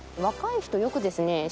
若い人よくですね